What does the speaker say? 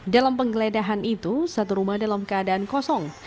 dalam penggeledahan itu satu rumah dalam keadaan kosong